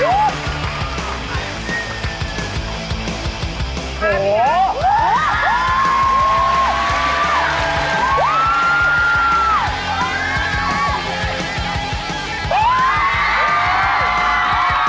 โชว์จากปริศนามหาสนุกหมายเลขหนึ่ง